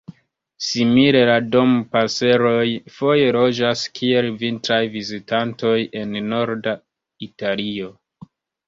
Simile la Dompaseroj foje loĝas kiel vintraj vizitantoj en norda Italio.